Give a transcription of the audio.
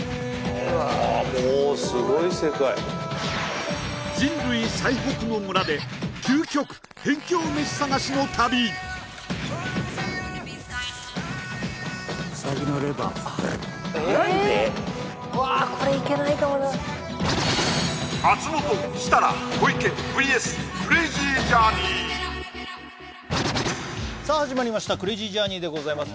あもう人類最北の村で究極辺境飯探しの旅えっわあ松本設楽小池ＶＳクレイジージャーニーさあ始まりましたクレイジージャーニーでございます